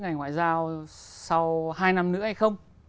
ngành ngoại giao sau hai năm nữa hay không